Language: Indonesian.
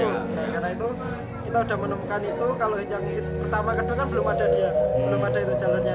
karena itu kita sudah menemukan itu kalau yang pertama ke dalam belum ada dia belum ada itu jalurnya